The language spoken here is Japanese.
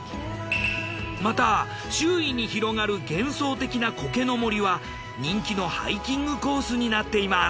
また周囲に広がる幻想的な苔の森は人気のハイキングコースになっています。